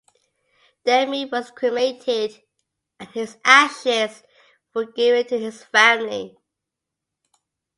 Demme was cremated, and his ashes were given to his family.